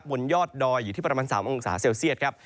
บนยอดดอยอยู่ที่ประมาณ๓องศาเซลเซียตครับ